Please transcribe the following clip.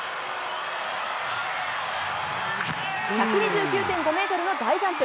１２９．５メートルの大ジャンプ。